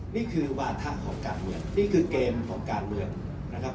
นี่คือวาถะของการเมืองนี่คือเกมของการเมืองนะครับ